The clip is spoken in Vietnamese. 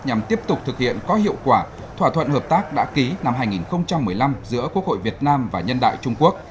nhằm tiếp tục thực hiện có hiệu quả thỏa thuận hợp tác đã ký năm hai nghìn một mươi năm giữa quốc hội việt nam và nhân đại trung quốc